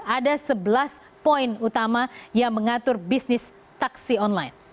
ada sebelas poin utama yang mengatur bisnis taksi online